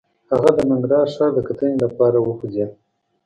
هغه د ننګرهار ښار د کتنې لپاره وخوځېد.